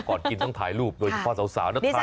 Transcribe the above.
ก่อนกินต้องถ่ายรูปโดยเบาสาวสาวด้วยท่านได้จ๊ะน่ะ